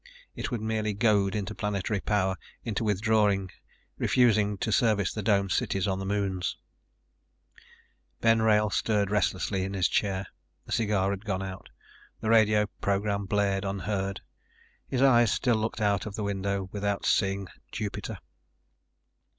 It would merely goad Interplanetary Power into withdrawing, refusing to service the domed cities on the moons. Ben Wrail stirred restlessly in his chair. The cigar had gone out. The radio program blared unheard. His eyes still looked out the window without seeing Jupiter.